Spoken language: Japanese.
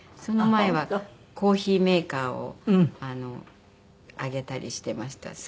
その前はコーヒーメーカーをあげたりしてました。